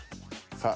さあ。